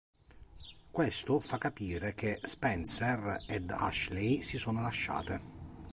Questo fa capire che Spencer ed Ashley si sono lasciate.